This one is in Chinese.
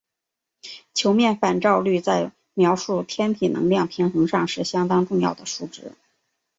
球面反照率在描述天体能量平衡上是相当重要的数值。